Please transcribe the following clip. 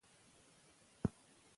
هغه په ډېر مېړانه د خپلواکۍ جنګ وګټلو.